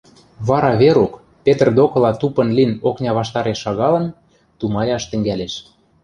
Вара Верук, Петр докыла тупын лин окня ваштареш шагалын, тумаяш тӹнгӓлеш.